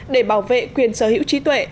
để bảo vệ quyền sở hữu trí tuệ